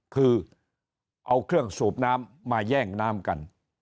คือเอาเครื่องสูบน้ำมาแย่งน้ำกัน